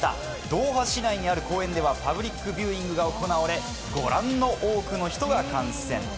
ドーハ市内にある公園ではパブリックビューイングが行われ多くの人が観戦。